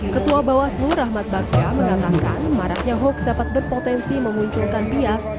ketua bawaslu rahmat baktia mengatakan maraknya hoax dapat berpotensi memunculkan bias